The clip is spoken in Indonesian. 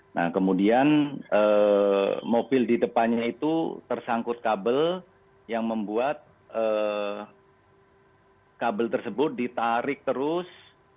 nah kemudian mobil di depannya itu tersangkut kabel yang membuat kabel tersebut ditarik terus